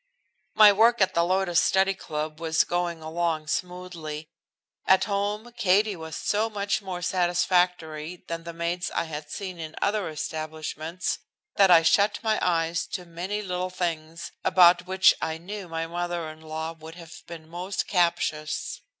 My work at the Lotus Study Club was going along smoothly. At home Katie was so much more satisfactory than the maids I had seen in other establishments that I shut my eyes to many little things about which I knew my mother in law would have been most captious.